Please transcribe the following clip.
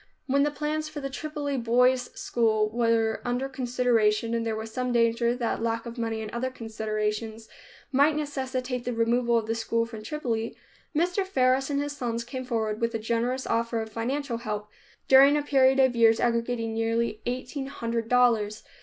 When the plans for the Tripoli Boys' School were under consideration and there was some danger that lack of money and other considerations might necessitate the removal of the school from Tripoli, Mr. Faris and his sons came forward with a generous offer of financial help, during a period of years aggregating nearly eighteen hundred dollars.